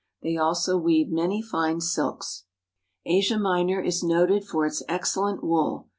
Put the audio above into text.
They also weave many fine silks. Asia Minor is noted for its excellent wool.